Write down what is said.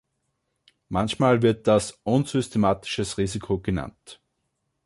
Manchmal wird das „unsystematisches Risiko“ genannt.